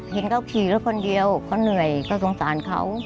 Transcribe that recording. เห็นเขาขี่รถคนเดียวเขาเหนื่อยเขาสงสารเขา